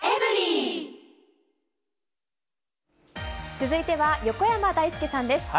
続いては、横山だいすけさんです。